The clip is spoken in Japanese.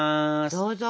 どうぞ。